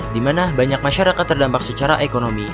di mana banyak masyarakat terdampak secara ekonomi